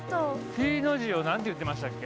Ｔの字をなんて言ってましたっけ？